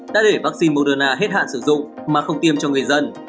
đã để vaccine moderna hết hạn sử dụng mà không tiêm cho người dân